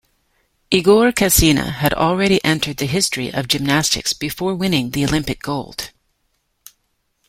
Igor Cassina had already entered the history of gymnastics before winning the Olympic gold.